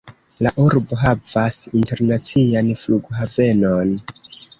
La urbo havas internacian flughavenon.